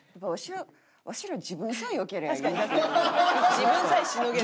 自分さえしのげれば。